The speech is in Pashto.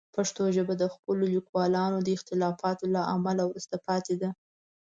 پښتو ژبه د خپلو لیکوالانو د اختلافاتو له امله وروسته پاتې ده.